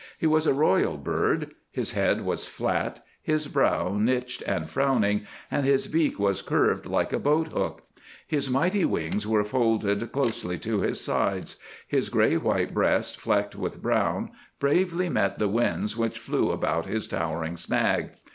He was a royal bird. His head was flat; his brow niched and frowning, and his beak was curved like a boat hook. His mighty wings were folded closely to his sides; his gray white breast, flecked with brown, bravely met the winds which blew about his towering snag.